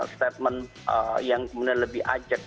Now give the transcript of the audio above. statement yang kemudian lebih ajak